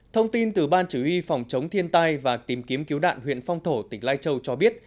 thông tin từ ban chủ y phòng chống thiên tai và tìm kiếm cứu nạn huyện phong thổ tỉnh lai châu cho biết